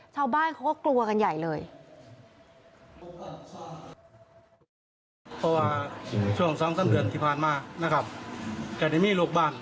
ชาวบ้านเขาก็กลัวกันใหญ่เลย